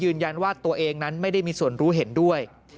ยืนยันว่าตัวเองนั้นไม่ได้มีส่วนรู้เห็นด้วย